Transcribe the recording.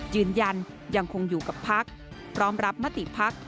ยืนยันยังคงอยู่กับภักดิ์พร้อมรับมาติภักดิ์